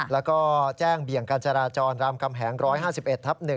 แล้วก็แจ้งเบี่ยงการจราจรรามกำแหง๑๕๑ทับ๑